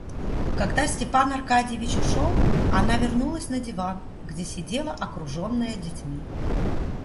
Когда Степан Аркадьич ушел, она вернулась на диван, где сидела окруженная детьми.